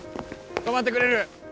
止まってくれる？